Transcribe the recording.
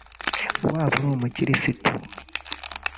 waba uri umukirisitu